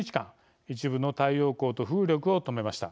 一部の太陽光と風力を止めました。